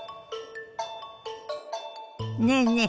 ねえねえ